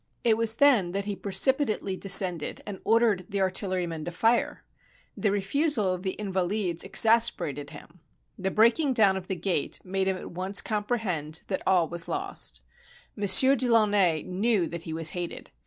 It was then that he precipitately descended and ordered the artillerymen to fire. The refusal of the Invahdes exasperated him. The breaking down of the gate made him at once comprehend that all was lost. Monsieur de Launay knew that he was hated.